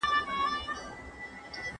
¬ نينې په پټه نه چيچل کېږي.